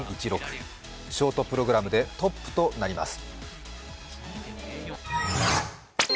ショートプログラムでトップとなります。